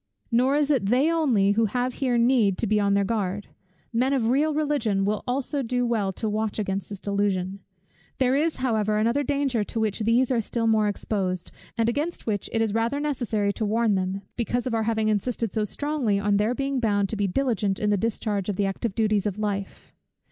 Nor is it they only who have here need to be on their guard: men of real religion will also do well to watch against this delusion. There is however another danger to which these are still more exposed, and against which it is the rather necessary to warn them, because of our having insisted so strongly on their being bound to be diligent in the discharge of the active duties of life.